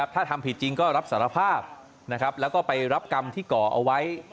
ถ้าทำผิดจริงก็รับสารภาพแล้วก็ไปรับกรรมที่ก่อเอาไว้